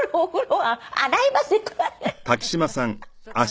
はい。